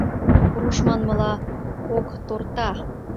Руш манмыла, кок торта».